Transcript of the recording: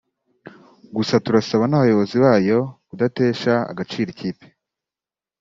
Gusa turasaba nabayobozi bayo kudatesha agaciro ikipe